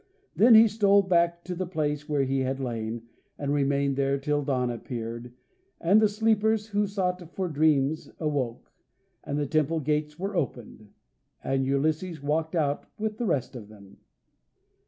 Then he stole back to the place where he had lain, and remained there till dawn appeared, and the sleepers who sought for dreams awoke, and the temple gates were opened, and Ulysses walked out with the rest of them.